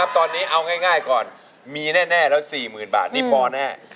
ตอนนี้เอาง่ายก่อนมีแน่แล้ว๔๐๐๐บาทนี่พอแน่